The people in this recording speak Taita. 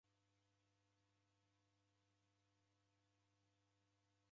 Nawekunda niche idimie kukuroghua.